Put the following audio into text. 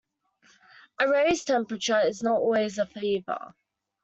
A raised temperature is not always a fever.